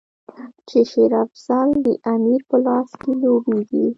چې شېر افضل د امیر په لاس کې لوبیږي.